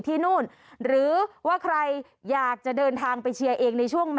ที่นู่นหรือว่าใครอยากจะเดินทางไปเชียร์เองในช่วง